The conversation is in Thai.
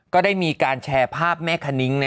ก็ได้มีการแชร์ภาพแม่คณิ้ง